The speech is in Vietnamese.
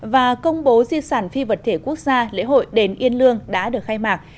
và công bố di sản phi vật thể quốc gia lễ hội đền yên lương đã được khai mạc